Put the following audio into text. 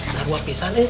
saru apisan ya